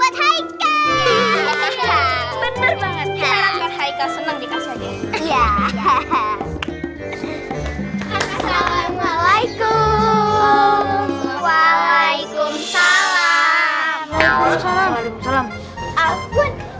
hai hai hai hai hai hai hai hai hai hai waalaikumsalam waalaikumsalam waalaikumsalam waalaikumsalam